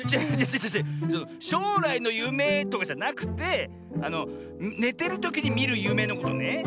しょうらいのゆめとかじゃなくてあのねてるときにみるゆめのことね。